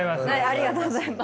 ありがとうございます。